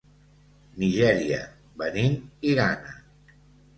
Nigèria, Benín i Ghana.